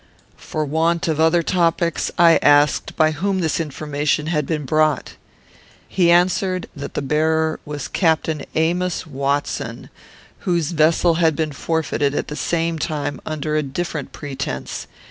"For want of other topics, I asked by whom this information had been brought. He answered, that the bearer was Captain Amos Watson, whose vessel had been forfeited, at the same time, under a different pretence.